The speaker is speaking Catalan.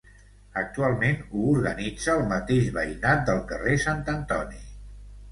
Actualment ho organitza el mateix veïnat del carrer Sant Antoni.